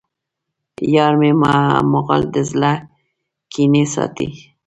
یارمی مغل د زړه کینې ساتي